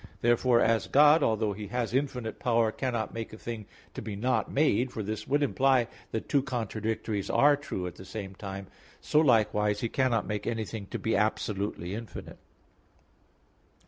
Therefore, as God, although He has infinite power, cannot make a thing to be not made (for this would imply that two contradictories are true at the same time), so likewise He cannot make anything to be absolutely infinite.